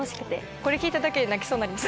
これ聴いただけで泣きそうになります。